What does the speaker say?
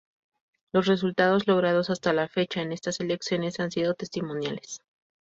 Los resultados logrados hasta la fecha en estas elecciones han sido testimoniales.